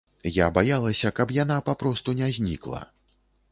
Я баялася, каб яна папросту не знікла.